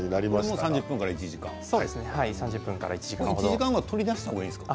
こちらも３０分から１時間です。